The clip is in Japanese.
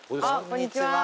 こんにちは。